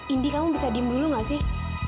indi kamu bisa diem dulu gak sih